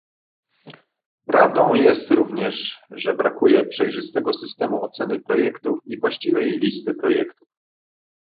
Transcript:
Prawdą jest również, że brakuje przejrzystego systemu oceny projektów i właściwej listy projektów